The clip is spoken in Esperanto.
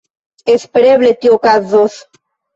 Espereble tio okazos.